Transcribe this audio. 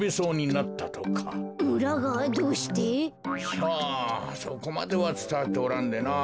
さあそこまではつたわっておらんでな。